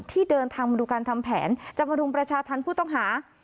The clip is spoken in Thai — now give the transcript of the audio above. ที่เดินทางมาดูการทำแผนจะมารุมประชาธรรมผู้ต้องหา